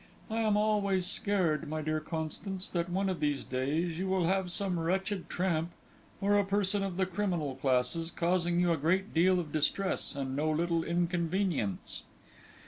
I am always scared, my dear Constance, that one of these days you will have some wretched tramp, or a person of the criminal classes, causing you a great deal of distress and no little inconvenience."